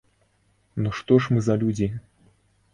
Ну, што ж мы за людзі?!